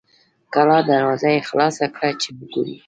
کلا دروازه یې خلاصه کړه چې وګوري.